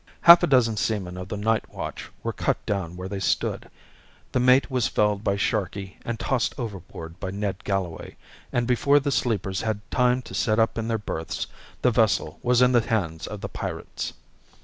Half a dozen seamen of the night watch were cut down where they stood, the mate was felled by Sharkey and tossed overboard by Ned Galloway, and before the sleepers had time to sit up in their berths, the vessel was in the hands of the pirates.